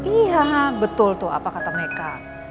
iya betul tuh apa kata mereka